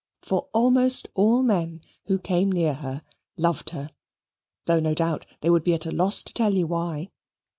For almost all men who came near her loved her; though no doubt they would be at a loss to tell you why.